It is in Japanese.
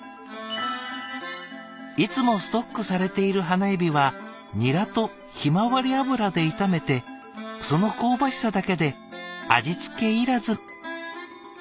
「いつもストックされている花えびはニラとひまわり油で炒めてその香ばしさだけで味付けいらず」。